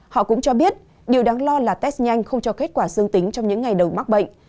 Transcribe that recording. họ cũng cho biết điều đáng lo là test nhanh không cho kết quả dương tính trong những ngày đầu mắc bệnh